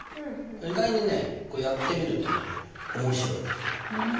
意外にねやってみるとねおもしろい。